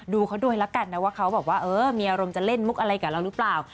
ดูเขาด้วยแล้วกันนะว่าเขาบอกว่าเออมีอารมณ์จะเล่นมุกอะไรกับเราหรือเปล่า